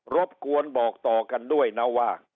รบกวนบอกต่อกันด้วยนะว่า